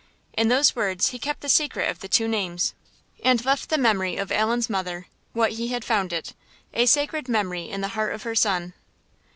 In those words he kept the secret of the two names; and left the memory of Allan's mother, what he had found it, a sacred memory in the heart of her son.